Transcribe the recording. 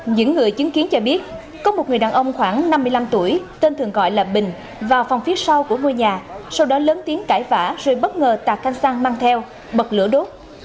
những người chứng kiến cho biết có một người đàn ông khoảng năm mươi năm tuổi tên thường gọi là bình vào phòng phía sau của ngôi nhà sau đó lớn tiếng cãi vã rồi bất ngờ tạc canh sang mang theo bật lửa đốt